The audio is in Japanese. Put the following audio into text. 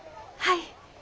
はい。